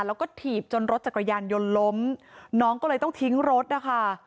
แล้วก็ถีบจนรถจักรยานยนต์ล้มน้องก็เลยต้องทิ้งรถนะคะ